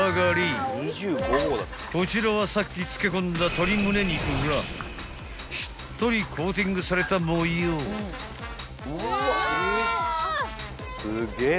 ［こちらはさっき漬け込んだ鶏むね肉がしっとりコーティングされたもよう］